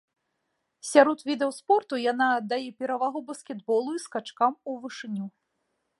Сярод відаў спорту яна аддае перавагу баскетболу і скачкам у вышыню.